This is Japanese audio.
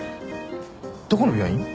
どこの病院？